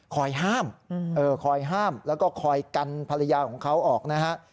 ห้ามคอยห้ามแล้วก็คอยกันภรรยาของเขาออกนะฮะ